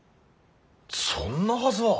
そんなはずは。